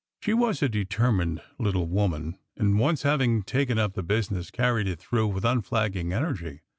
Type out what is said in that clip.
She was a determined little woman: and once having taken up the business, carried it through with unflagging energy.